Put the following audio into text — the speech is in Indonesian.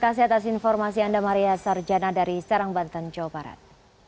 terima kasih atas informasi anda maria sarjana dari serang banten jawa barat